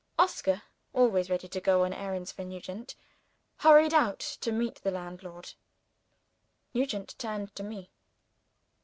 Oscar (always ready to go on errands for Nugent) hurried out to meet the landlord. Nugent turned to me.